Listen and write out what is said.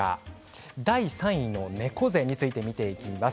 第３位の猫背について見ていきます。